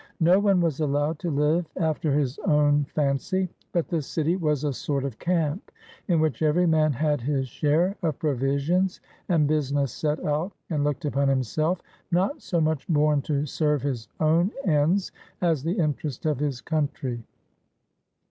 No one was allowed to live after his own fancy ; but the city was a sort of camp, in which every man had his share of provisions and business set out, and looked upon himself not so much born to serv e his own ends as the interest of his country.